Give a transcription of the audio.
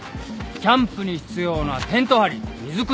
キャンプに必要なテント張り水くみ